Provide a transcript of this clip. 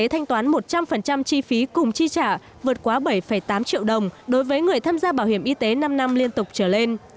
trong phần trăm chi phí cùng chi trả vượt quá bảy tám triệu đồng đối với người tham gia bảo hiểm y tế năm năm liên tục trở lên